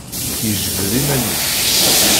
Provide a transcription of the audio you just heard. Yejbed iman-is.